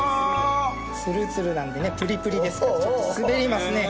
ツルツルなんでねプリプリですからちょっと滑りますね。